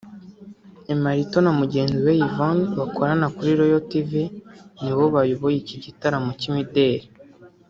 Emmalito na mugenzi we Yvonne bakorana kuri Royal tv nibo bayoboye iki gitaramo cy'imideri